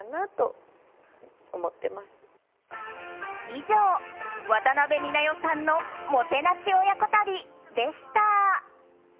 以上、渡辺美奈代さんのもてなし親子旅でした。